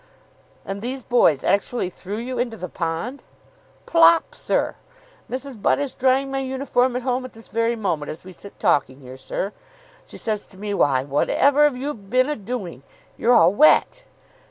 "And these boys actually threw you into the pond?" "Plop, sir! Mrs. Butt is drying my uniform at home at this very moment as we sit talking here, sir. She says to me, 'Why, whatever 'ave you been a doing? You're all wet.